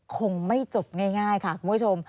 คงไม่จบง่ายค่ะคุณผู้ชม